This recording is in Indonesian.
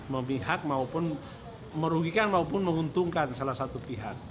memihak maupun merugikan maupun menguntungkan salah satu pihak